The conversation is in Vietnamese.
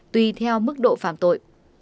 tùy theo mức độ phạm tội